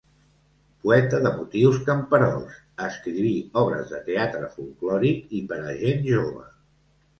Poeta de motius camperols, escriví obres de teatre folklòric i per a gent jove.